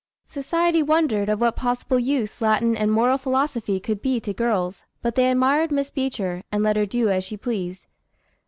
Society wondered of what possible use Latin and moral philosophy could be to girls, but they admired Miss Beecher, and let her do as she pleased.